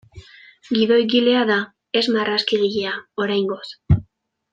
Gidoigilea da ez marrazkigilea, oraingoz.